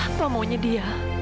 apa maunya dia